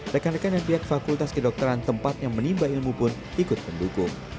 rekan rekan dan pihak fakultas kedokteran tempat yang menimba ilmu pun ikut mendukung